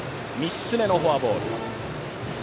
３つ目のフォアボール。